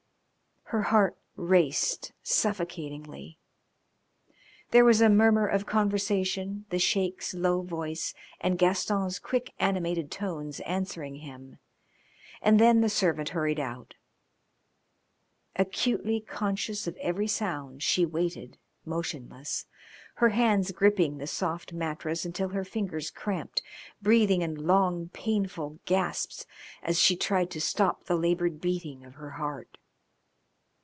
Her heart raced suffocatingly. There was a murmur of conversation, the Sheik's low voice and Gaston's quick animated tones answering him, and then the servant hurried out. Acutely conscious of every sound, she waited motionless, her hands gripping the soft mattress until her fingers cramped, breathing in long, painful gasps as she tried to stop the laboured beating of her heart.